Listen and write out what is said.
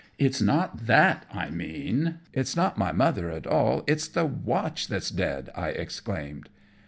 "It's not that I mean, it's not my mother at all, it's the watch that's dead," I explained.